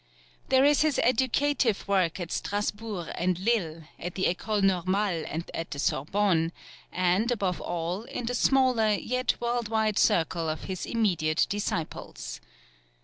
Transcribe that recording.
There is his educative work at Strasburg and Lille, at the Ecole Normale and the Sorbonne, and, above all, in the smaller yet world wide circle of his immediate disciples.